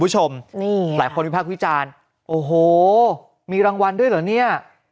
หลายคนมีภาพคุยจารค์โอ้โหมีรางวัลด้วยเหรอเนี่ย